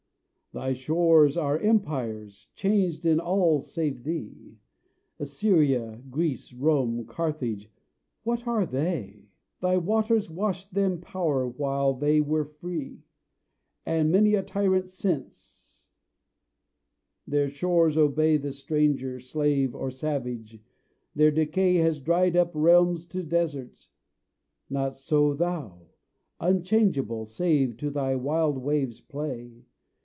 Thy shores are empires, changed in all save thee Assyria, Greece, Rome, Carthage, what are they? Thy waters washed them power while they were free, And many a tyrant since; their shores obey The stranger, slave, or savage; their decay Has dried up realms to deserts: not so, thou; Unchangeable save to thy wild waves' play.